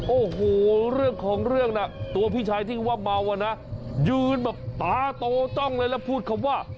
โอ้โหเรื่องของเรื่องน่ะตัวพี่ชายที่ว่าเมาอ่ะนะยืนแบบตาโตจ้องเลยแล้วพูดคำว่า